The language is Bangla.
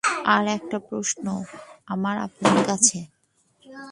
আর, একটা প্রশ্ন আমার আপনার কাছে।